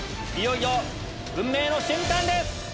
いよいよ運命の瞬間です！